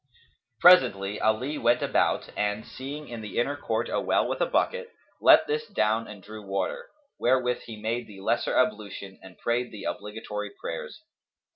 Presently Ali went about and, seeing in the inner court a well with a bucket, let this down and drew water, wherewith he made the lesser ablution and prayed the obligatory prayers.